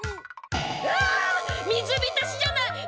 わあ水びたしじゃない！